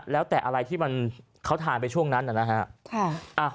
แล้วแต่อะไรที่มันเขาทานไปช่วงนั้นนะฮะ